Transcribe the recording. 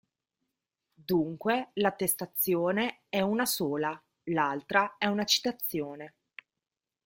Dunque, l’attestazione è una sola, l’altra è una citazione.